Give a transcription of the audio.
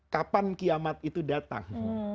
kapan kiamat itu datang